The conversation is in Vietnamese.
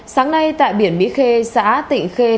sáng nay tại biển mỹ khê xã tịnh khê thành phố quảng bình